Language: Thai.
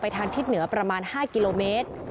ทางทิศเหนือประมาณ๕กิโลเมตร